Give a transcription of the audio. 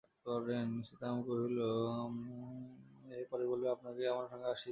সীতারাম কহিল, সে পরে বলিব, আপনাকে আমার সঙ্গে আসিতে হইবে।